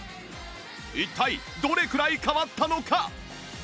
一体どれくらい変わったのか？